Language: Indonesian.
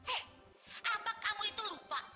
eh apa kamu itu lupa